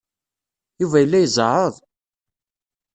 Yuba yella izeɛɛeḍ.